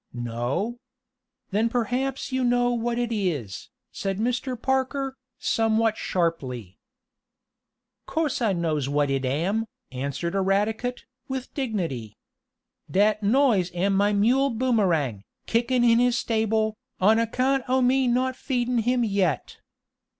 "No. Then perhaps you know what it is," said Mr. Parker, somewhat sharply. "Course I knows what it am," answered Eradicate, with dignity. "Dat noise am my mule Boomerang, kickin' in his stable, on account oh me not feedin' him yet.